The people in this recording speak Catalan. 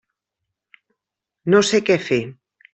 No sé què fer.